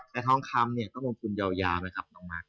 แต่ทองคำเนี่ยก็ลงทุนยาวนะครับน้องมาร์ค